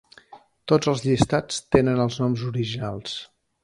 Tots els llistats tenen els noms originals.